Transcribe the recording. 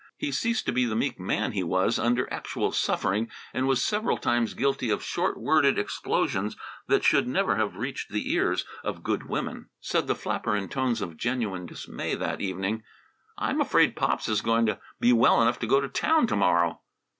He ceased to be the meek man he was under actual suffering, and was several times guilty of short worded explosions that should never have reached the ears of good women. Said the flapper in tones of genuine dismay that evening: "I'm afraid Pops is going to be well enough to go to town to morrow!"